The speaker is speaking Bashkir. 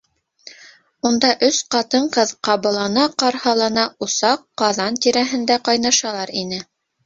Унда өс ҡатын-ҡыҙ ҡабалана-ҡарһалана усаҡ, ҡаҙан тирәһендә ҡайнашалар ине.